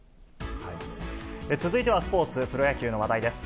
続いてはスポーツ、プロ野球の話題です。